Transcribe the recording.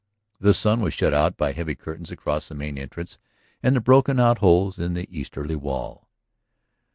The sun was shut out by heavy curtains across the main entrance and the broken out holes in the easterly wall.